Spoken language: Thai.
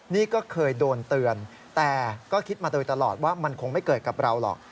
นี่ก็เคยโดนเตือนแต่ก็คิดมาโดยตลอดว่ามันคงไม่เกิดกับเราหรอก